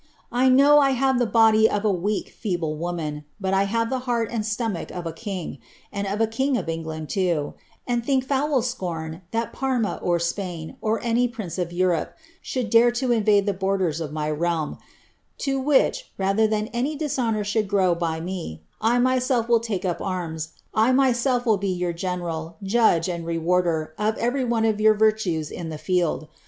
I know ] have tlie body of a weak, feeble woiuan ; but I ban the heart and atomach of a king' — and of a king of EogUnd too, and think foul scorn thai Parma or Spain, or any {Hinee of Europe, shooU dar& 10 invade ifae borders of my realm ; to which, rather Ihaii any di« honuur should grow bj I take up aims — i myself Till be your general, judge, ai 'cry one of your Tirtues la the field.